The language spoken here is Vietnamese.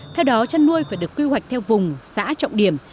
theo đó chăn nuôi phải được quy hoạch theo vùng xã trọng điểm